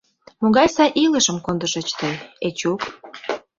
Могай сай илышым кондышыч тый, Эчук!